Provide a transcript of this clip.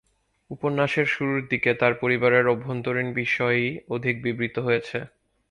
উপন্যাসের শুরুর দিকে, তার পরিবারের অভ্যন্তরীণ বিষয়ই অধিক বিবৃত হয়েছে।